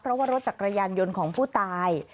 เพราะว่ารถจักรยานยนต์ของผู้ตาย